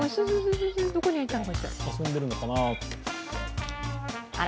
遊んでるのかな。